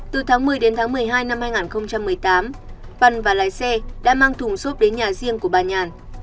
từ tháng một mươi đến tháng một mươi hai năm hai nghìn một mươi tám văn và lái xe đã mang thùng xốp đến nhà riêng của bà nhàn